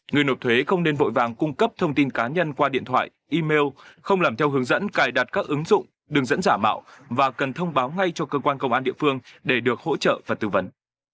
người nộp thuế không nên vội vàng cung cấp thông tin cá nhân qua điện thoại email không làm theo hướng dẫn cài đặt các ứng dụng đường dẫn giả mạo và cần thông báo ngay cho cơ quan công an địa phương để được hỗ trợ và tư vấn